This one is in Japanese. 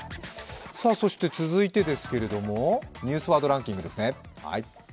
続いてですけど、「ニュースワードランキング」ですね。